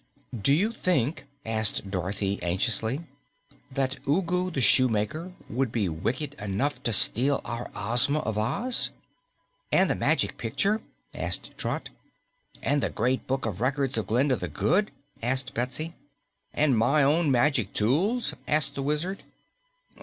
"Do you think," asked Dorothy anxiously, "that Ugu the Shoemaker would be wicked enough to steal our Ozma of Oz?" "And the Magic Picture?" asked Trot. "And the Great Book of Records of Glinda the Good?" asked Betsy. "And my own magic tools?" asked the Wizard.